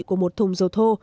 của một thùng dầu thô